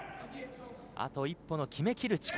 あと一歩の決め切る力。